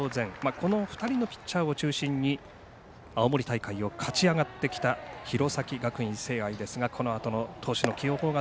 この２人のピッチャーを中心に青森大会を勝ち上がってきた弘前学院聖愛ですがこのあとの投手の継投は